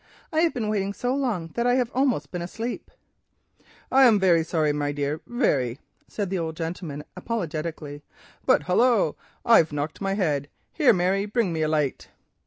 I have been waiting so long that I have almost been asleep." "I am very sorry, my dear, very," said the old gentleman apologetically, "but—hullo! I've knocked my head—here, Mary, bring me a light!"